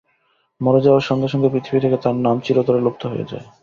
মরে যাওয়ার সঙ্গে সঙ্গে পৃথিবী থেকে তাঁর নাম চিরতরে লুপ্ত হয়ে যায়।